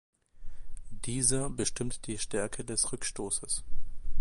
Dieser bestimmt die Stärke des Rückstoßes.